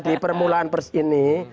di permulaan pers ini